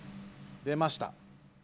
出ました。